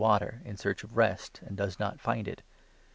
water, in search of rest, and does not find it.